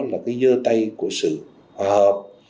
là cái dơ tay của sự hòa hợp